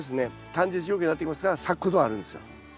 短日条件になってきますから咲くことがあるんですよ。